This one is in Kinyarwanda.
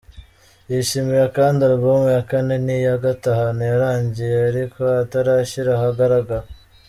Yishimira kandi album ya kane n’iya gatanu yarangiye ariko atarashyira ahagaragara.